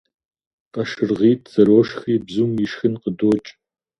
КъашыргъитӀ зэрошхри бзум ишхын къыдокӀ.